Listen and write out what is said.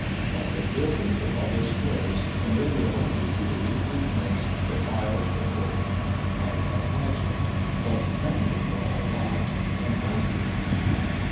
Public buildings and public squares familiar only through the weekly prints defiled before him like a pageant, but friendly for all that, inviting, even.